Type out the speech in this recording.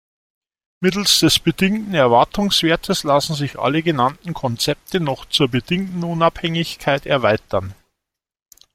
Mittels des bedingten Erwartungswertes lassen sich alle genannten Konzepte noch zur bedingten Unabhängigkeit erweitern.